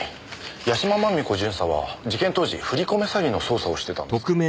屋島真美子巡査は事件当時振り込め詐欺の捜査をしてたんですか？